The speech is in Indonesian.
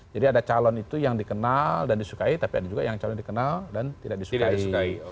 jadi ada calon itu yang dikenal dan disukai tapi ada juga yang calon yang dikenal dan tidak disukai